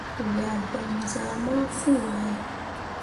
Ru yah gbanzah mafuu ah ye.